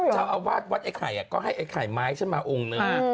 เจ้าอาวาสวัดไอ้ไข่ก็ให้ไอ้ไข่ไม้ฉันมาองค์หนึ่ง